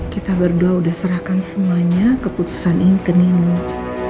kita berdua udah serahkan semuanya keputusan ingeni nih